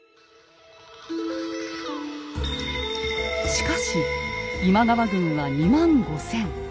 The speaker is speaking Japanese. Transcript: しかし今川軍は２万５，０００。